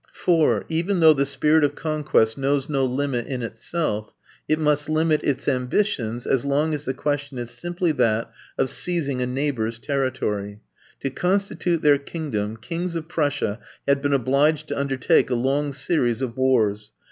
For, even though the spirit of conquest knows no limit in itself, it must limit its ambitions as long as the question is simply that of seizing a neighbour's territory. To constitute their kingdom, kings of Prussia had been obliged to undertake a long series of wars.